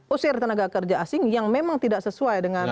usir tenaga kerja asing yang memang tidak sesuai dengan